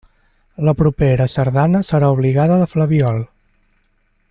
La propera sardana serà obligada de flabiol.